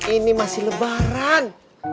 ini masih lebaran